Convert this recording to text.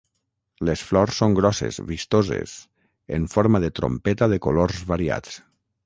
Les flors són grosses, vistoses, en forma de trompeta de colors variats.